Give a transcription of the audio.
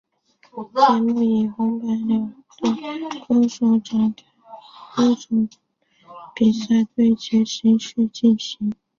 节目以红白两队歌手展开歌唱比赛的形式进行。